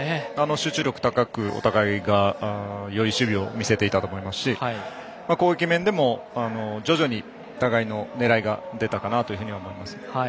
集中力高くお互いがよい守備を見せていたと思います、攻撃面でも徐々にお互いの狙いが出たかなと思います。